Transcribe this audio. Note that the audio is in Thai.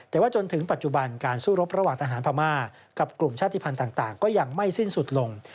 แต่ว่าจนถึงปัจจุบันการสู้รบระหว่างทหารพม่ากับกลุ่มชาติภัณฑ์ต่างก็ยังไม่สิ้นสุดลง